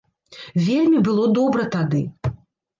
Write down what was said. Вельмі было добра тады.